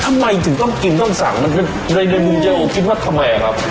ทำไมถึงต้องกินต้องสั่งมันในมุมเจ๊โอคิดว่าทำไมครับ